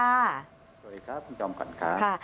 สวัสดีค่ะคุณจมครับ